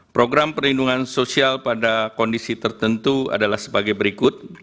program perlindungan sosial pada kondisi tertentu adalah sebagai berikut